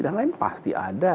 dan lain lain pasti ada